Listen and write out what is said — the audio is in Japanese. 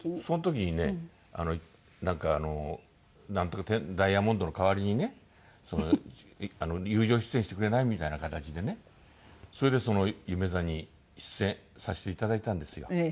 その時にねなんかなんとかテンダイヤモンドの代わりにね友情出演してくれない？みたいな形でねそれでその夢座に出演させて頂いたんですよ。